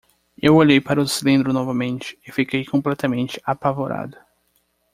Eu olhei para o cilindro novamente e fiquei completamente apavorado.